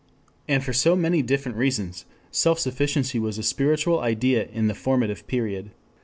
And so for many different reasons, self sufficiency was a spiritual ideal in the formative period.